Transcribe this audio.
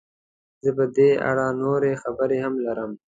زه په دې اړه نورې خبرې هم لرم.